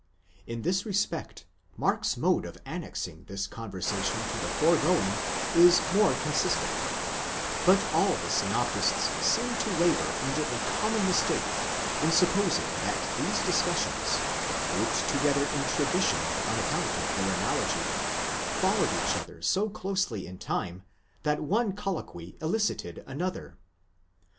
In this respect, Mark's mode of annexing this conversation to the foregoing, is more consistent ; but all the synoptists seem to labour under a common mistake in supposing that these discussions, grouped together in tradition on account of their analogy, followed each other so closely in time, that one colloquy elicited another.